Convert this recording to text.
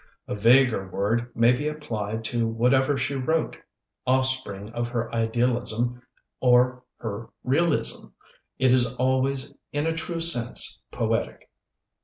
A vaguer word may be applied to whatever she wrote; offspring of her idealism or her realism, it is always in a true sense poetic.